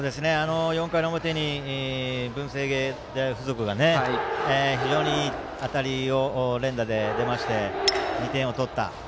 ４回の表に文星芸大付属が非常に当たり、連打で出まして２点を取った。